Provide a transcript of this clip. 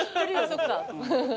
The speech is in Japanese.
そっか。